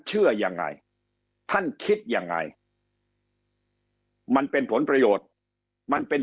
เชื่อยังไงท่านคิดยังไงมันเป็นผลประโยชน์มันเป็น